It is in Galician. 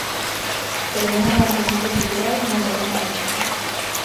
Pero unha gran produción cultural non remata aí.